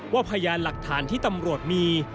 พยานหลักฐานที่ตำรวจมี